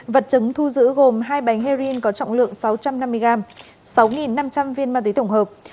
vật chứng thu giữ gồm hai bánh heroin có trọng lượng sáu trăm năm mươi gram sáu năm trăm linh viên ma túy tổng hợp